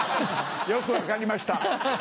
よく分かりました。